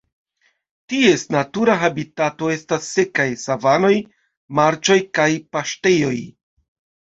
Ties natura habitato estas sekaj savanoj, marĉoj kaj paŝtejoj.